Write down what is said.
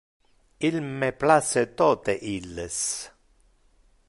Il me place tote illes.